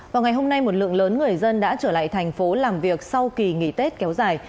vào ngày hôm nay một lượng lớn người dân đã trở lại thành phố làm việc sau kỳ nghỉ tết kéo dài